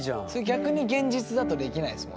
逆に現実だとできないですもんね。